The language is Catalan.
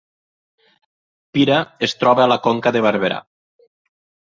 Pira es troba a la Conca de Barberà